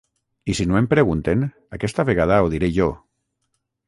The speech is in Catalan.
I si no em pregunten, aquesta vegada ho diré jo.